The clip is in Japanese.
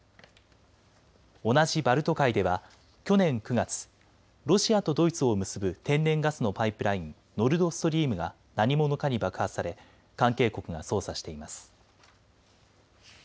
同じバルト海では去年９月、ロシアとドイツを結ぶ天然ガスのパイプライン、ノルドストリームが何者かに爆破され関係国が捜査しています。